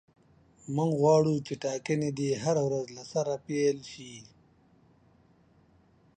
موږ غواړو چې ټاکنې دې هره ورځ له سره پیل شي.